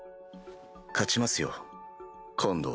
勝ちますよ今度は。